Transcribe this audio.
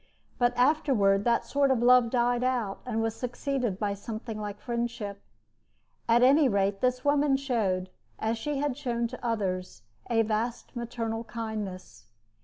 But afterward that sort of love died out, and was succeeded by something like friendship. At any rate, this woman showed, as she had shown to others, a vast maternal kindness.